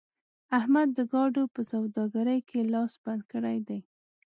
احمد د ګاډو په سوداګرۍ کې لاس بند کړی دی.